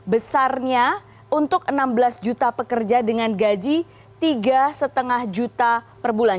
besarnya untuk enam belas juta pekerja dengan gaji tiga lima juta per bulan